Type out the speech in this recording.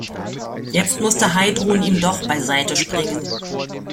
Jetzt musste Heidrun ihm doch beiseite springen.